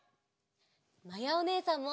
まやおねえさんも！